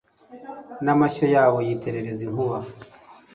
n’amashyo yabo iyaterereza inkuba